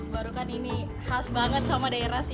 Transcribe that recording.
baru kan ini khas banget sama daerah sih